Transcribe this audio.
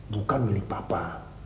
bukan milik papa